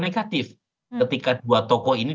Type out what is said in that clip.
negatif ketika dua tokoh ini